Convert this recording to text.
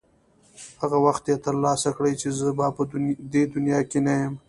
هغه وخت یې ترلاسه کړې چې زه به په دې دنیا کې نه یم.